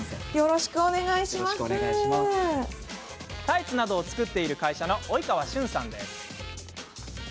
タイツなどを作っている会社の及川俊さんです。